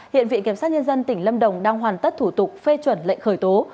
hiện viện kiểm sát nhân dân tỉnh lâm đồng đang hoàn tất thủ tục phê chuẩn lệnh khởi tố